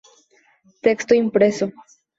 Texto impreso.